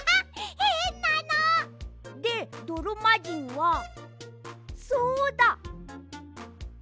へんなの！でどろまじんはそうだ！